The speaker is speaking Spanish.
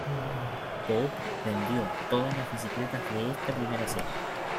Pope vendió todas las bicicletas de esta primera serie.